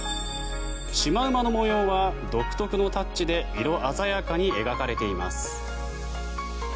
シマウマの模様は独特のタッチで色鮮やかに描かれています。